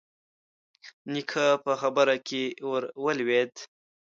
نيکه په خبره کې ور ولوېد: